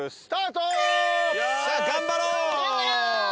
さあ頑張ろう！